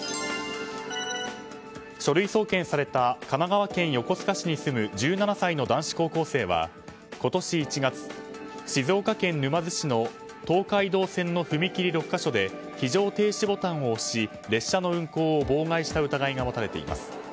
書類送検された神奈川県横須賀市に住む１７歳の男子高校生は今年１月、静岡県沼津市の東海道線の踏切６か所で非常停止ボタンを押し列車の運行を妨害した疑いが持たれています。